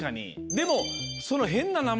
でも。